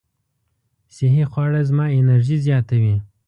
صحي خواړه زما انرژي زیاتوي.